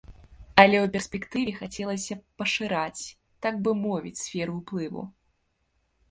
Але ў перспектыве хацелася б пашыраць, так бы мовіць, сферу ўплыву.